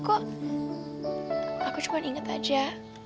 kok aku cuma inget aja